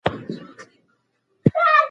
الوتکې ته د ننوتلو کارت زما په لاس کې پاتې و.